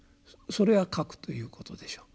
それが「覚」ということでしょう。